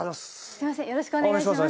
よろしくお願いします。